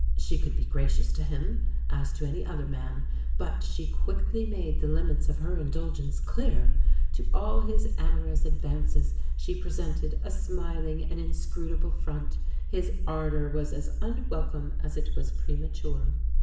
She could be gracious to him, as to any other man; but she quickly made the limits of her indulgence clear. To all his amorous advances she presented a smiling and inscrutable front; his ardour was as unwelcome as it was premature.